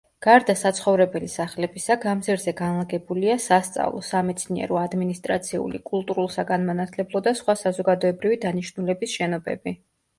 გარდა საცხოვრებელი სახლებისა, გამზირზე განლაგებულია სასწავლო, სამეცნიერო, ადმინისტრაციული, კულტურულ-საგანმანათლებლო და სხვა საზოგადოებრივი დანიშნულების შენობები.